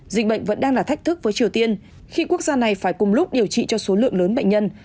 dịch bệnh vẫn đang là thách thức với triều tiên khi quốc gia này phải cùng lúc điều trị cho số lượng lớn bệnh nhân